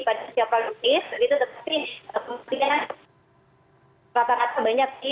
pada siapal utis itu seperti